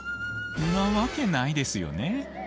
なわけないですよね。